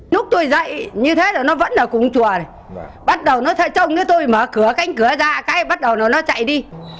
lúc tôi dạy như thế là nó vẫn ở cùng chùa này bắt đầu nó chạy trong thì tôi mở cửa cánh cửa ra cái bắt đầu nó chạy đi